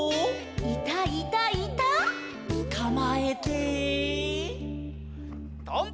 「いたいたいた」「つかまえて」「とんぼ！」